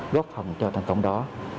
góp hành cho thành công đó